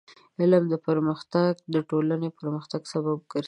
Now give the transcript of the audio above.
د علم پرمختګ د ټولنې پرمختګ سبب ګرځي.